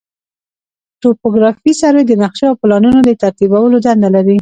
توپوګرافي سروې د نقشو او پلانونو د ترتیبولو دنده لري